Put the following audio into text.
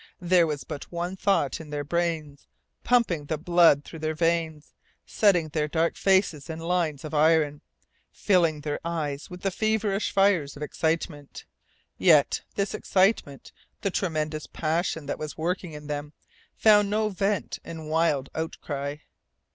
There was but one thought in their brains, pumping the blood through their veins, setting their dark faces in lines of iron, filling their eyes with the feverish fires of excitement. Yet this excitement, the tremendous passion that was working in them, found no vent in wild outcry.